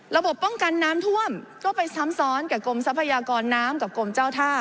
ระบบป้องกันน้ำท่วมก็ไปซ้ำซ้อนกับกรมทรัพยากรน้ำกับกรมเจ้าท่า